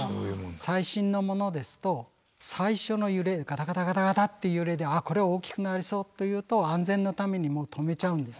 最新のものですと最初の揺れガタガタガタガタっていう揺れであっこれは大きくなりそうっていうと安全のために止めちゃうんです。